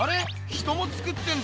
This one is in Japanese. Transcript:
人もつくってんだ。